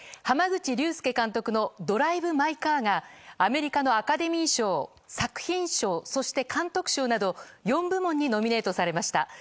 濱口竜介監督のドライブ・マイ・カーが、アメリカのアカデミー賞作品賞、そして監督賞など、４部門にノミネートされました。